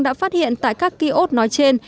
đã phát hiện tại các ký ốt nói trên